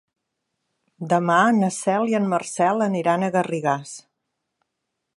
Demà na Cel i en Marcel aniran a Garrigàs.